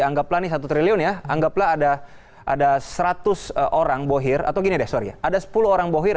anggaplah nih satu triliun ya anggaplah ada seratus orang bohir atau gini deh sorry ya ada sepuluh orang bohir